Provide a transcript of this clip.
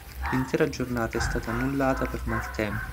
L'intera giornata è stata annullata per maltempo.